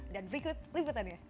dan berikut liputannya